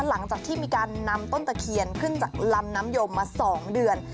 หลังจากที่มีการนำต้นตะเคียนขึ้นจากลำน้ำยมมา๒เดือน